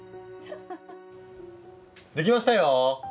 できましたよ！